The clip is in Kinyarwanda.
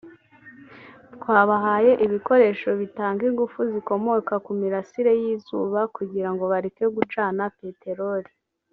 twabahaye ibikoresho bitanga ingufu zikomoka mu mirasire y’izuba kugira ngo bareke gucana peteroli